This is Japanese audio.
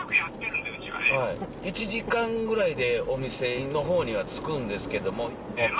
１時間ぐらいでお店の方には着くんですけども。